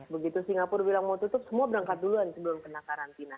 begitu singapura bilang mau tutup semua berangkat duluan sebelum kena karantina